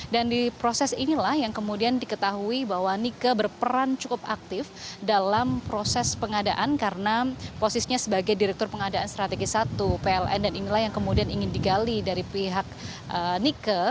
dan di proses inilah yang kemudian diketahui bahwa nike berperan cukup aktif dalam proses pengadaan karena posisinya sebagai direktur pengadaan strategi satu pln dan inilah yang kemudian ingin digali dari pihak nike